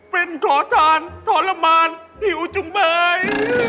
เป็นขอทานทรมานหิวจังเลย